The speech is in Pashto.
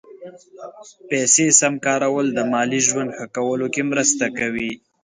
پیسې سم کارول د مالي ژوند ښه کولو کې مرسته کوي.